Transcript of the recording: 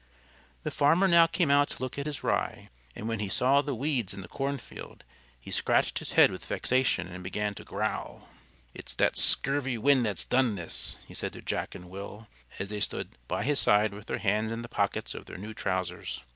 The farmer now came out to look at his Rye, and when he saw the weeds in the cornfield he scratched his head with vexation and began to growl. "It's that scurvy wind that's done this," he said to Jack and Will, as they stood by his side with their hands in the pockets of their new trousers.